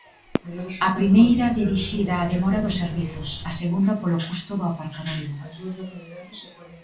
A primeira dirixida á demora dos servizos, a segunda polo custo do aparcadoiro.